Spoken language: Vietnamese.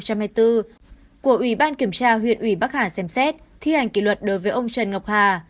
của ủy ban kiểm tra huyện ủy bắc hà xem xét thi hành kỷ luật đối với ông trần ngọc hà